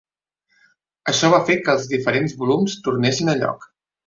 Això va fer que els diferents volums tornessin a lloc.